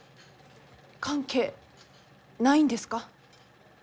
関係ないんですか？